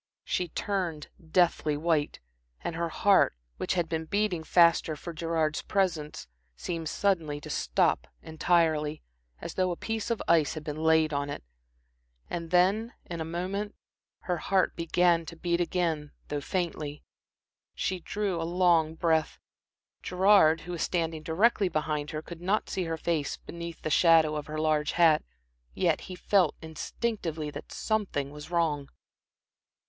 She turned deathly white, and her heart, which had been beating faster for Gerard's presence, seemed suddenly to stop entirely, as though a piece of ice had been laid on it. And then, in a moment, her heart began to beat again, though faintly. She drew a long breath. Gerard, who was standing directly behind her, could not see her face beneath the shadow of her large hat, yet he felt instinctively that something was wrong.